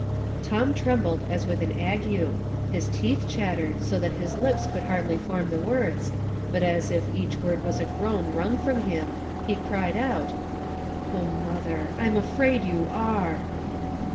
Tom trembled as with an ague — his teeth chattered, so that his lips could hardly form the words, but as if each word was a groan wrung from him, he cried out, —" O mother, I'm afraid you are."